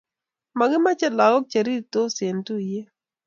Makimache lakok cherir tos en tuyet